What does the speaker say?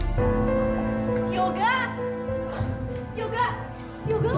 gue juga mau ma